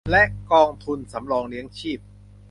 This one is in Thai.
และกองทุนสำรองเลี้ยงชีพ